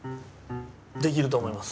できると思います。